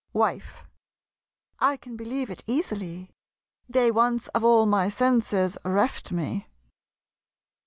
WIFE. I can believe it easily They once of all my senses reft me.